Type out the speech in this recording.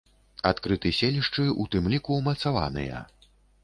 Адкрыты селішчы, у тым ліку ўмацаваныя.